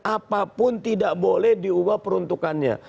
apapun tidak boleh diubah peruntukannya